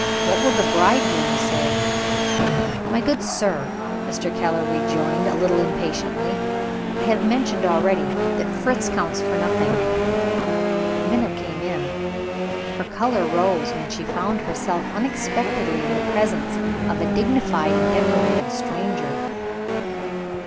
What will the bridegroom say?" "My good sir," Mr. Keller rejoined a little impatiently, "I have mentioned already that Fritz counts for nothing." Minna came in. Her color rose when she found herself unexpectedly in the presence of a dignified and decorated stranger.